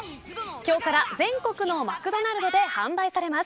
今日から全国のマクドナルドで販売されます。